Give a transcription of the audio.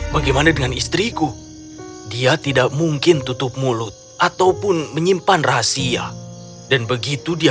bagaimana dengan istriku dia tidak mungkin tutup mulut ataupun menyimpan rahasia dan begitu dia